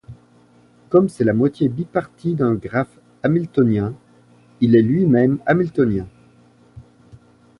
Comme c'est la moitié bipartie d'un graphe hamiltonien, il est lui-même hamiltonien.